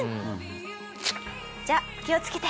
「じゃ気をつけて」。